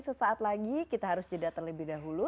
sesaat lagi kita harus jeda terlebih dahulu